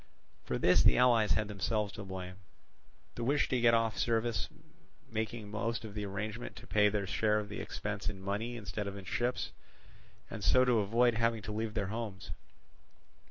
For this the allies had themselves to blame; the wish to get off service making most of them arrange to pay their share of the expense in money instead of in ships, and so to avoid having to leave their homes.